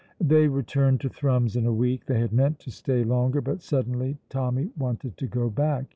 They returned to Thrums in a week. They had meant to stay longer, but suddenly Tommy wanted to go back.